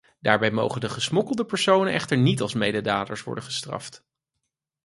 Daarbij mogen de gesmokkelde personen echter niet als mededaders worden gestraft.